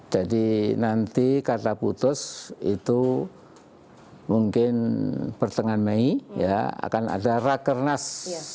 jadi nanti kata putus itu mungkin pertengahan mei ya akan ada rakernas